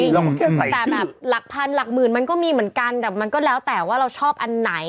แต่แบบหลักพันหลักหมื่นมันก็มีเหมือนกันแต่มันก็แล้วแต่ว่าเราชอบอันไหน